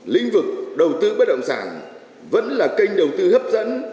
lĩnh vực đầu tư bất động sản vẫn là kênh đầu tư hấp dẫn